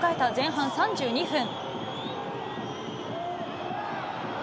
同点で迎えた前半３２分。